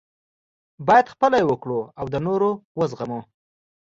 باید خپله یې وکړو او د نورو وزغمو.